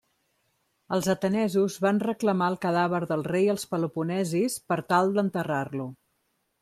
Els atenesos van reclamar el cadàver del rei als peloponesis per tal d'enterrar-lo.